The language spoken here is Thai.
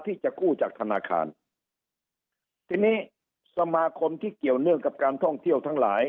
ที่จะกู้จากธนาคารทีนี้สมาคมที่เกี่ยวเนื่องกับการท่องเที่ยวทั้งหลาย